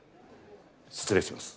失礼します。